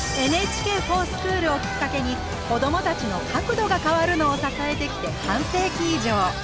「ＮＨＫｆｏｒＳｃｈｏｏｌ」をきっかけに子どもたちの「かくど」が変わるのを支えてきて半世紀以上。